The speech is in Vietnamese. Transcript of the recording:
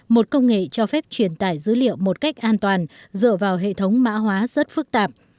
một công nghệ cho phép truyền tải dữ liệu một cách an toàn dựa vào hệ thống mã hóa rất phức tạp